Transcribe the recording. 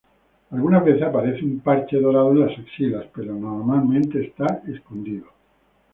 Algunas veces aparece un parche dorado en las axilas, pero normalmente está escondido.